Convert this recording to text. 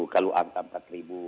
kalau angka empat ribu